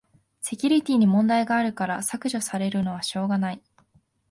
セキュリティに問題あるから削除されるのはしょうがない